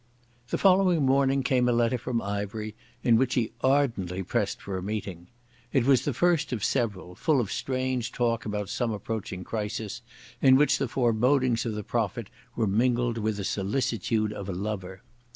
The following morning came a letter from Ivery in which he ardently pressed for a meeting. It was the first of several, full of strange talk about some approaching crisis, in which the forebodings of the prophet were mingled with the solicitude of a lover.